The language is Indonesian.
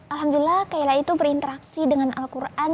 alhamdulillah kaila itu berinteraksi dengan al quran